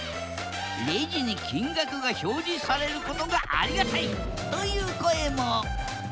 レジに金額が表示されることがありがたいという声も！